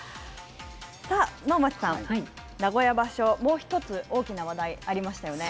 さあ、能町さん、名古屋場所、もう一つ、大きな話題ありましたよね。